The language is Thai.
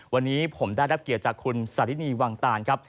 วันนี้ผมได้รับเกียรติจากคุณสารินีวังตานครับ